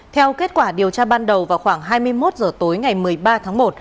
theo kết quả điều tra ban đầu vào khoảng hai mươi một h tối ngày một mươi ba tháng một